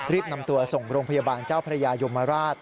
นำตัวส่งโรงพยาบาลเจ้าพระยายมราช